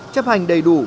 chấp hành đầy đủ